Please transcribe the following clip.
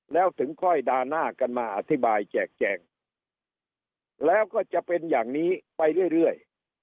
แล้วถึงค่อยด่าหน้ากันมาอธิบายแจกแจงแล้วก็จะเป็นอย่างนี้ไปเรื่อย